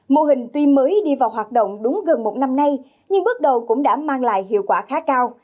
mô hình tuy mới đi vào hoạt động đúng gần một năm nay nhưng bước đầu cũng đã mang lại hiệu quả khá cao